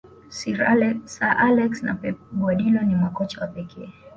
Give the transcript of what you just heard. sir alex na pep guardiola ni makocha wa pekee